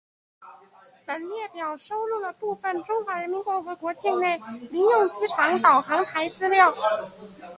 本列表收录了部分中华人民共和国境内民用机场导航台资料。